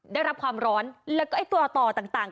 ได้รับความร้อนแล้วก็ไอ้ตัวต่อต่าง